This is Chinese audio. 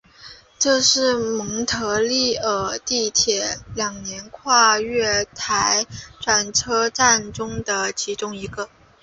这是蒙特利尔地铁两个跨月台转车站中其中一个。